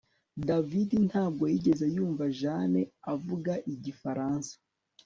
David ntabwo yigeze yumva Jane avuga igifaransa